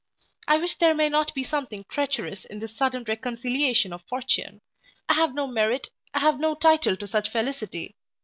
I wish there may not be something treacherous in this sudden reconciliation of fortune I have no merit I have no title to such felicity.